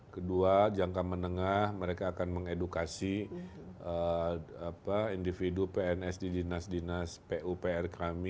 kedua jangka menengah mereka akan mengedukasi individu pns di dinas dinas pupr kami